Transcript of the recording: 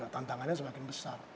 tantangannya semakin besar